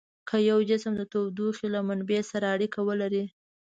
که یو جسم د تودوخې له منبع سره اړیکه ولري.